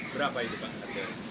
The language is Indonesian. berapa ini pak